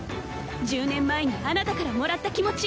１０年前にあなたからもらった気持ち